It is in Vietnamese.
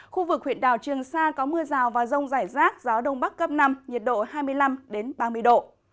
khu vực huyện đảo trường sa có mưa rào và rông rải rác gió đông bắc cấp năm nhiệt độ hai mươi năm ba mươi độ